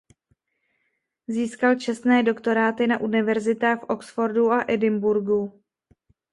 Získal čestné doktoráty na univerzitách v Oxfordu a Edinburghu.